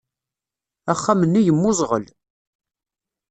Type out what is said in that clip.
Axxam-nni yemmuẓɣel.